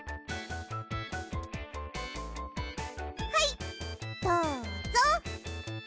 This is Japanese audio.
はいどうぞ！